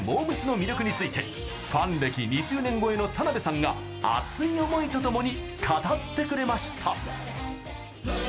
の魅力についてファン歴２０年超えの田辺さんが熱い思いとともに語ってくれました。